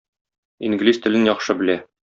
Инглиз телен яхшы белә.